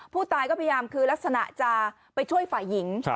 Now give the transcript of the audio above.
ผู้ตายก็พยายามคือลักษณะจะไปช่วยฝ่ายหญิง